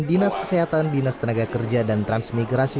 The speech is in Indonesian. dinas kesehatan dinas tenaga kerja dan transmigrasi